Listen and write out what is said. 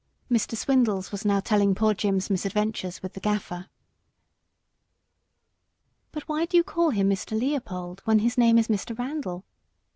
Mr. Swindles was now telling poor Jim's misadventures with the Gaffer. "But why do you call him Mr. Leopold when his name is Mr. Randal?"